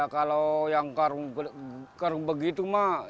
kalau yang begitu